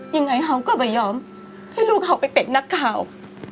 ยังไงเขาก็ไม่ยอมให้ลูกเขาไปเป็นนักข่าว